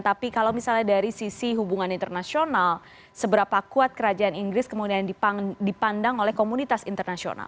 tapi kalau misalnya dari sisi hubungan internasional seberapa kuat kerajaan inggris kemudian dipandang oleh komunitas internasional